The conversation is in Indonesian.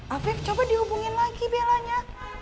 afiq coba dihubungin lagi bellanya